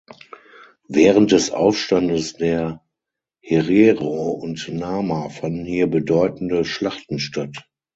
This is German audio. Während des Aufstandes der Herero und Nama fanden hier bedeutende Schlachten statt.